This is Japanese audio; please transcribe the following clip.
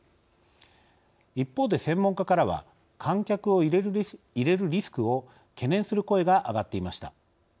一方で専門家からは観客を入れるリスクを懸念する声が上がっていました。